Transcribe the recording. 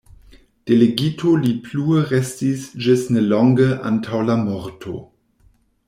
Delegito li plue restis ĝis nelonge antaŭ la morto.